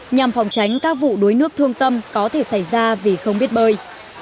nhằm phòng tránh các vụ đuối nước thương tâm có thể xảy ra vì không biết bơi